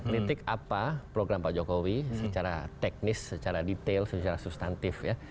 kritik apa program pak jokowi secara teknis secara detail secara substantif ya